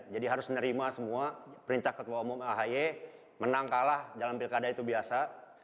jadi harus menerima semua perintah ketua umum ahy menang kalah dalam pilkada itu biasa